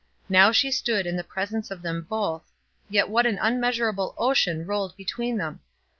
Now she stood in the presence of them both, yet what an unmeasurable ocean rolled between them!